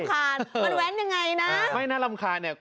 คารมันแว้นยังไงนะไม่น่ารำคาญเนี่ย